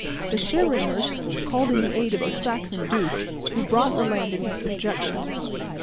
The Schieringers called in the aid of the Saxon duke, who brought the land into subjection.